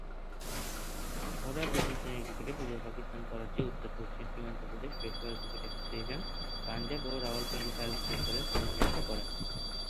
ঘরোয়া প্রথম-শ্রেণীর ক্রিকেটে পূর্ব পাকিস্তান, করাচি, উত্তর-পশ্চিম সীমান্ত প্রদেশ, পেশাওয়ার ক্রিকেট অ্যাসোসিয়েশন, পাঞ্জাব, রাওয়ালপিন্ডি ও সার্ভিসেস দলের প্রতিনিধিত্ব করেন।